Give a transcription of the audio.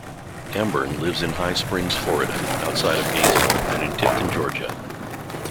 Amburn lives in High Springs, Florida, outside of Gainesville and in Tifton, Georgia.